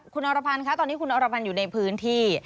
คุณอรพันธ์คะตอนนี้คุณอรพันธ์อยู่ในพื้นที่